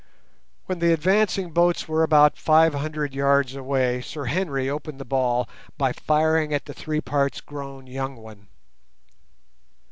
When the advancing boats were about five hundred yards away, Sir Henry opened the ball by firing at the three parts grown young one.